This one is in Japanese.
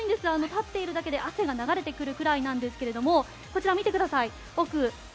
立っているだけで汗が流れてくるくらいなんですがこちら、見てください。